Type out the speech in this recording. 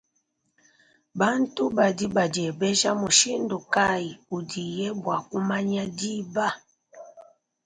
Bantu badi badiebeja mushindu kay udiye zenga bwa kumanya diba?